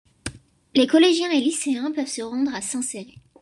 Les collégiens et lycéens peuvent se rendre à Saint-Céré.